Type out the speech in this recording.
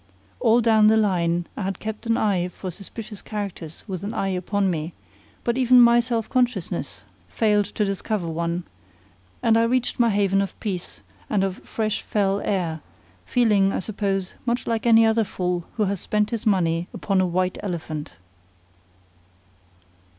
All down the line I had kept an eye for suspicious characters with an eye upon me; but even my self consciousness failed to discover one; and I reached my haven of peace, and of fresh fell air, feeling, I suppose, much like any other fool who has spent his money upon a white elephant.